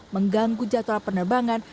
mengganggu jadwal penerbangan